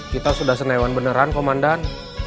kita sudah senewan beneran komandan